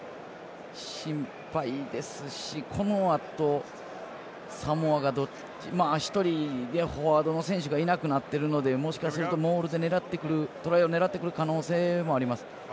心配ですし、このあとサモアが１人フォワードの選手がいなくなってるのでもしかしてモールでトライを狙ってくる可能性もあります。